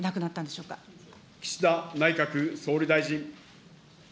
岸田内閣総理大臣。